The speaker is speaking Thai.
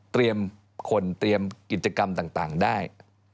คนเตรียมกิจกรรมต่างได้